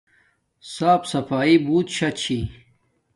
صاف سفایݵ بوت شا چھی